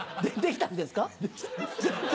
できたんですね。